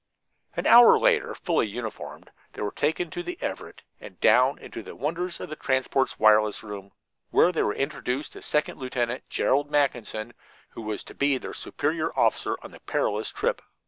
An hour later, fully uniformed, they were taken to the Everett and down into the wonders of the transport's wireless room, where they were introduced to Second Lieutenant Gerald Mackinson, who was to be their superior officer on the perilous trip.